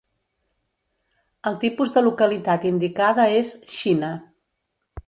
El tipus de localitat indicada és "Xina".